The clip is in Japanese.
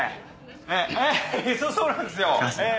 ええそうなんですよええ！